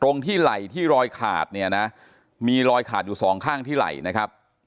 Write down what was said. ตรงที่ไหล่ที่รอยขาดเนี่ยนะมีรอยขาดอยู่สองข้างที่ไหล่นะครับ